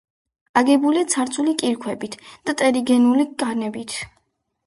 აგებულია ცარცული კირქვებით და ტერიგენული ქანებით.